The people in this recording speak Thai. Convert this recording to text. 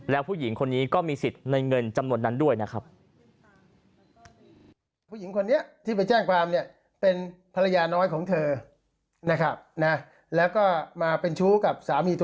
แล้วผู้หญิงคนนี้ก็มีสิทธิ์ในเงินจำนวนนั้นด้วยนะครับ